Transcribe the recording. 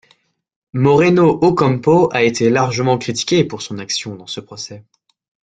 Moreno Ocampo a été largement critiqué pour son action dans ce procès.